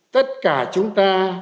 tất cả chúng ta